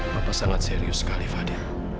papa sangat serius sekali fadil